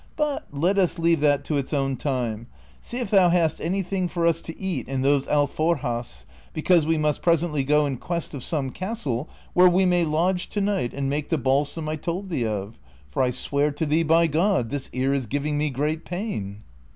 T >ut let us leave that to its own time ; see if thou hast any thing for us to eat in those alforjas, because we must presently go in quest of some castle where we may lodge to night and make the balsam 1 told thee of, for I swear to thee by God, this ear is giving me great pain."